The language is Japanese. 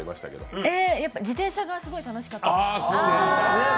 自転車がすごい楽しかったです。